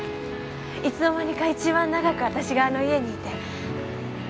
いつの間にか一番長く私があの家にいて。